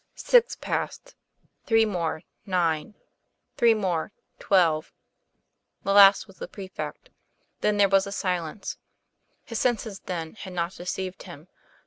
Six passed. Three more nine. Three more twelve. The last was the prefect. Then there was a silence. His senses, then, had not deceived him.